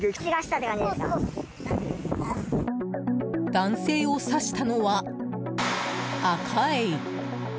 男性を刺したのは、アカエイ。